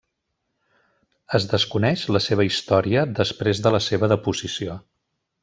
Es desconeix la seva història després de la seva deposició.